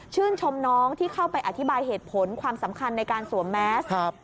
ชมน้องที่เข้าไปอธิบายเหตุผลความสำคัญในการสวมแมส